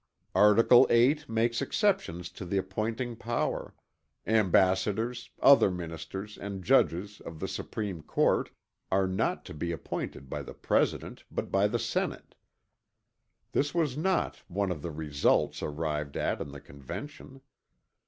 Article VIII makes exceptions to the appointing power; "ambassadors, other ministers and judges of the Supreme Court" are not to be appointed by the President but by the Senate. This was not one of the "results" arrived at in the Convention.